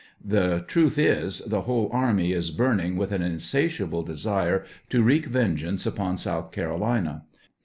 The truth is, the whole army is burning with an insatiable desire to wreak ven geance upon South Carolina.